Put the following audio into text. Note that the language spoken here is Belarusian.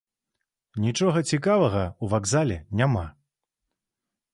Нічога цікавага ў вакзале няма.